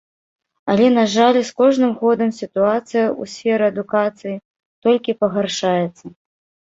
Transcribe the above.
Але, на жаль, з кожным годам сітуацыя ў сферы адукацыі толькі пагаршаецца.